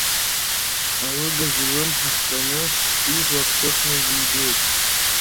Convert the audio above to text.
Алыгажә илымҳа хҵәаны, излак ҭыхны дибеит.